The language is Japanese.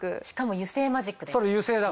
しかも油性マジックです。